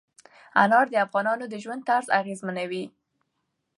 انار د افغانانو د ژوند طرز اغېزمنوي.